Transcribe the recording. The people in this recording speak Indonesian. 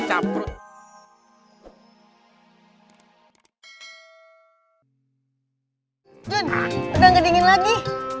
jun udah ngedingin lagi